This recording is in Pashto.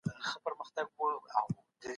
تولیدي پلانونه د دولت لخوا نه جوړیږي.